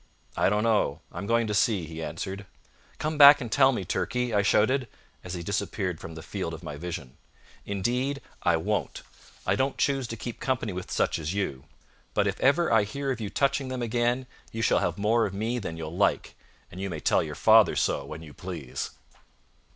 "I don't know. I'm going to see," he answered. "Come back and tell me, Turkey," I shouted, as he disappeared from the field of my vision. "Indeed I won't. I don't choose to keep company with such as you. But if ever I hear of you touching them again, you shall have more of me than you'll like, and you may tell your father so when you please."